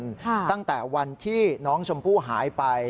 ตั้งแต่วันที่น้องชมพู่หายไป